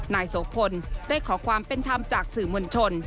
นายโสพลได้ขอความเป็นธรรมจากสื่อมวลชน